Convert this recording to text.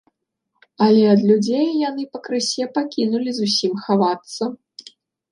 Але ад людзей яны пакрысе пакінулі зусім хавацца.